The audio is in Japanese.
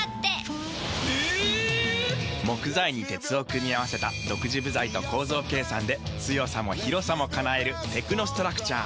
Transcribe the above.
木材に鉄を組み合わせた独自部材と構造計算で強さも広さも叶えるテクノストラクチャー。